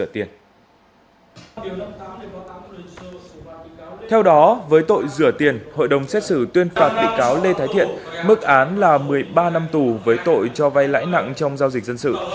theo đó với tội rửa tiền hội đồng xét xử tuyên phạt bị cáo lê thái thiện mức án là một mươi ba năm tù với tội cho vay lãi nặng trong giao dịch dân sự